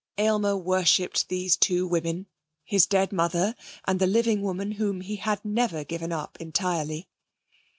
Aylmer worshipped these two women: his dead mother and the living woman whom he had never given up entirely.